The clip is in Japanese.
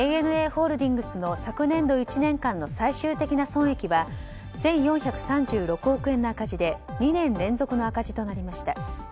ＡＮＡホールディングスの昨年度１年間の最終的な損益は１４３６億円の赤字で２年連続の赤字となりました。